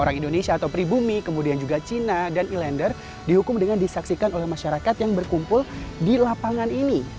orang indonesia atau pribumi kemudian juga cina dan ilender dihukum dengan disaksikan oleh masyarakat yang berkumpul di lapangan ini